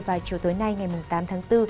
vào chiều tối nay ngày tám tháng bốn